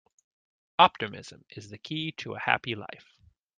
Optimism is the key to a happy life.